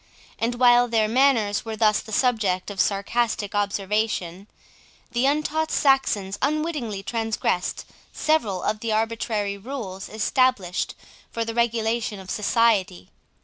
And while their manners were thus the subject of sarcastic observation, the untaught Saxons unwittingly transgressed several of the arbitrary rules established for the regulation of society.